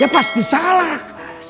ya pasti salah